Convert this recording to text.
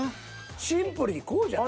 シンプルにこうじゃない？